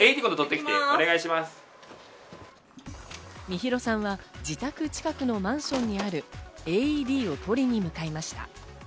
美弘さんは自宅近くのマンションにあるＡＥＤを取りに向かいました。